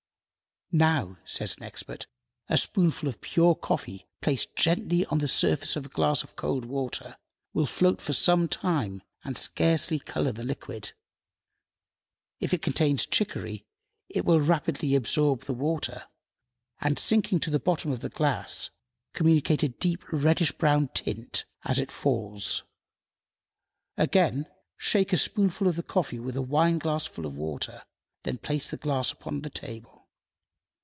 "Now," says an expert, "a spoonful of pure coffee placed gently on the surface of a glass of cold water will float for some time and scarcely color the liquid. If it contains chicory it will rapidly absorb the water, and, sinking to the bottom of the glass, communicate a deep reddish brown tint as it falls. Again, shake a spoonful of the coffee with a wineglassful of water, then place the glass upon the table.